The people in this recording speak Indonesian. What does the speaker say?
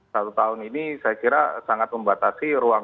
satu tahun ini saya kira sangat membatasi ruang